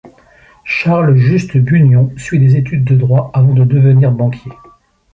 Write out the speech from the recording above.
Charles-Juste Bugnion, suit des études de droit avant de devenir banquier.